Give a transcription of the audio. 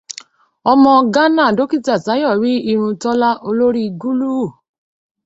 Ọmọ Gánà Dókítà Táyọ̀ rí irun Tọ́lá olórí gúlúù.